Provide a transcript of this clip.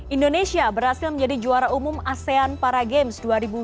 indonesia berhasil menjadi juara umum asean para games dua ribu dua puluh